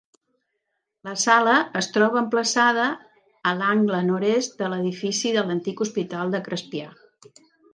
La sala es troba emplaçada a l'angle nord-est de l'edifici de l'antic hospital de Crespià.